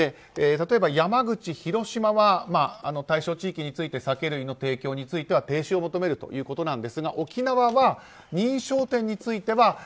例えば、山口、広島は対象地域について酒類の提供については停止を求めるということなんですが沖縄は認証店については